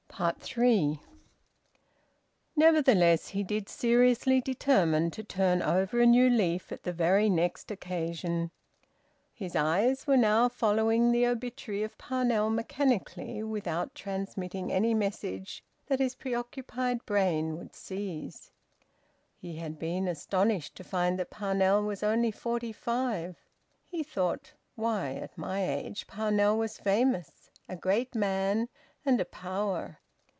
THREE. Nevertheless he did seriously determine to turn over a new leaf at the very next occasion. His eyes were now following the obituary of Parnell mechanically, without transmitting any message that his preoccupied brain would seize. He had been astonished to find that Parnell was only forty five. He thought: "Why, at my age Parnell was famous a great man and a power!"